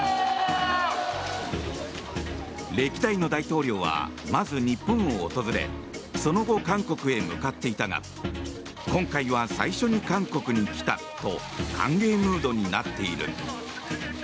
歴代の大統領はまず日本を訪れその後、韓国へ向かっていたが今回は最初に韓国に来たと歓迎ムードになっている。